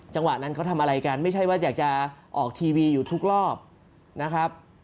จังหวะนั้นเขาทำอะไรกันไม่ใช่ว่าอยากจะออกทีวีอยู่ทุกรอบนะครับ